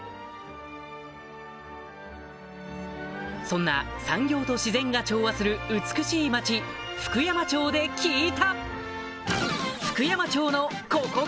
そんな産業と自然が調和する美しい町福山町で聞いた！